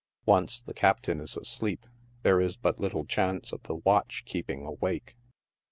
Once the captain is asleep, there is but little chance of the watch keeping awake.